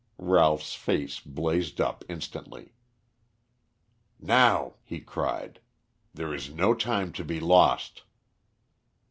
Ralph's face blazed up instantly. "Now," he cried, "there is no time to be lost."